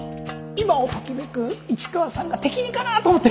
今をときめく市川さんが適任かなと思って。